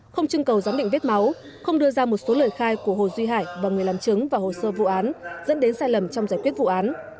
không chưng cầu giám định vết máu không đưa ra một số lời khai của hồ duy hải và người làm chứng vào hồ sơ vụ án dẫn đến sai lầm trong giải quyết vụ án